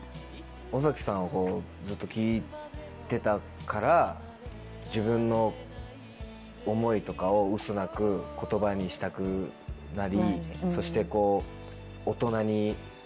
尾崎さんをずっと聴いてたから自分の思いとかをウソなく言葉にしたくなりそして。